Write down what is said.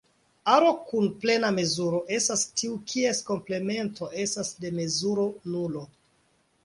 Aro kun plena mezuro estas tiu kies komplemento estas de mezuro nulo.